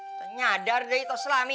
nteng nyadar deh itu selami